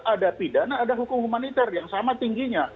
ada pidana ada hukum humanitar yang sama tingginya